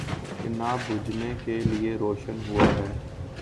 کہ نہ بجھنے کے لیے روشن ہوا ہے۔